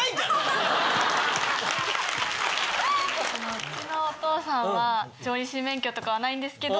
うちのお父さんは調理師免許とかはないんですけど。